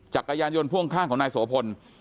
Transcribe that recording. จักรยานยนต์พ่วงข้างของนายโสพล